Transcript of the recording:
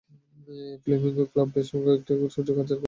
Flamingo Club বেশ কয়েকটি সুযোগ হাতছাড়া করায় খেলা অমীমাংসিতভাবে শেষ হয়।